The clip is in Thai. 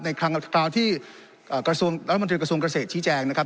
ในครั้งที่รัฐมนตรีกระทรวงเกษตรชี้แจงนะครับ